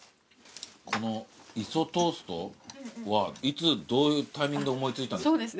この磯トーストはいつどういうタイミングで思い付いたんですか？